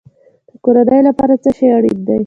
د کورنۍ لپاره څه شی اړین دی؟